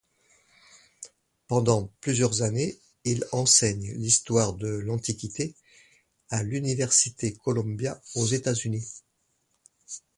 Pendant plusieurs années, il enseigne l'histoire de l'Antiquité à l'université Columbia aux États-Unis.